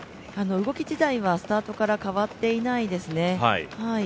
動き自体はスタートから変わっていないですね。